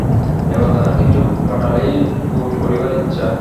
এবার তাহার কিছু পাটালি গুড় করিবার ইচ্ছা।